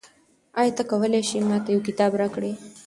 آیا ته کولای شې ما ته یو کتاب راکړې؟